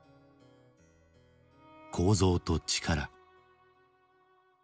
「構造と力」。